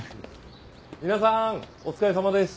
皆さんお疲れさまです。